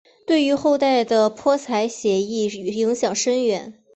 对于后代的泼彩写意影响深远。